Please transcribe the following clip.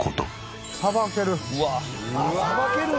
さばける！